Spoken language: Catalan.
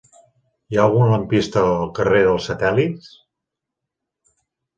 Hi ha algun lampista al carrer dels Satèl·lits?